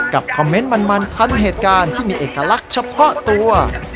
คอมเมนต์มันทันเหตุการณ์ที่มีเอกลักษณ์เฉพาะตัว